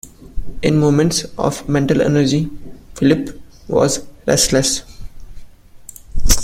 In moments of mental energy Philip was restless.